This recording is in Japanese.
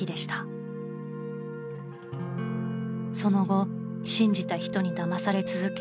［その後信じた人にだまされ続け